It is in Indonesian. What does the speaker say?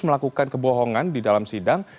melakukan kebohongan di dalam sidang